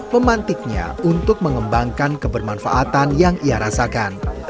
memantiknya untuk mengembangkan kebermanfaatan yang ia rasakan